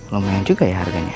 lumayan juga ya harganya